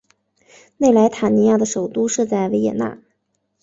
内莱塔尼亚的首都设在维也纳。